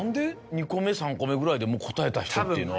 ２個目３個目ぐらいでもう答えた人っていうのは。